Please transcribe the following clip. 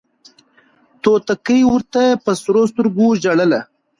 توتکۍ ورته په سرو سترګو ژړله